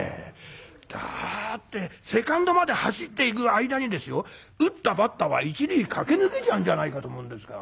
だってセカンドまで走っていく間にですよ打ったバッターは一塁駆け抜けちゃうんじゃないかと思うんですが。